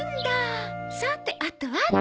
さてあとはと。